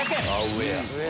上や。